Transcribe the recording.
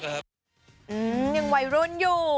อืมยังวัยรุ้นอยู่